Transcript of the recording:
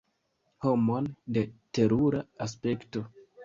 Homon de terura aspekto!